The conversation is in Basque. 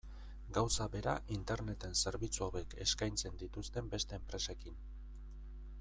Gauza bera Interneten zerbitzu hauek eskaintzen dituzten beste enpresekin.